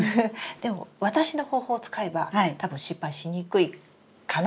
でも私の方法を使えば多分失敗しにくいかな？